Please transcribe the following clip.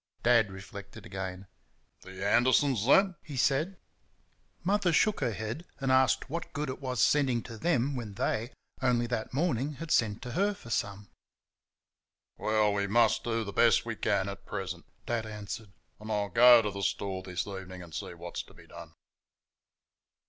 Dad reflected again. "The Andersons, then?" he said. Mother shook her head and asked what good there was it sending to them when they, only that morning, had sent to her for some? "Well, we must do the best we can at present," Dad answered, "and I'll go to the store this evening and see what is to be done."